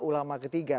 dan ulama ketiga